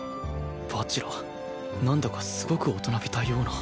蜂楽なんだかすごく大人びたような